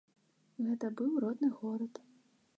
Гэта быў родны горад.